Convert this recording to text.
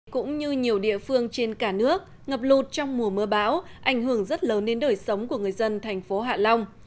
cũng như nhiều địa phương trên cả nước ngập lụt trong mùa mưa bão ảnh hưởng rất lớn đến đời sống của người dân thành phố hạ long